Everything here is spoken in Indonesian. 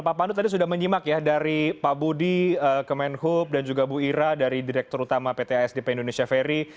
pak pandu tadi sudah menyimak ya dari pak budi kemenhub dan juga bu ira dari direktur utama pt asdp indonesia ferry